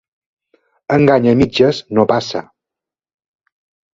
Engany a mitges no passa.